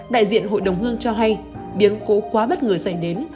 đại diện hội đồng hương cho hay biến cố quá bất ngờ xảy đến